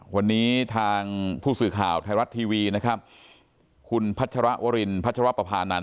วันนี้ทางผู้สื่อข่าวไทยรัฐทีวีนะครับคุณพัชรวรินพัชรปภานันท